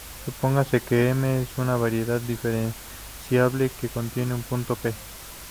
Supóngase que "M" es una variedad diferenciable que contiene un punto "p".